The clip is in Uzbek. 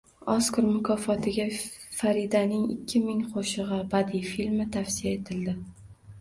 Oskar mukofotiga Faridaning ikki ming qo‘shig‘i badiiy filmi tavsiya etildi